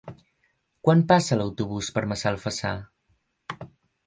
Quan passa l'autobús per Massalfassar?